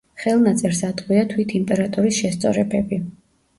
ხელნაწერს ატყვია თვით იმპერატორის შესწორებები.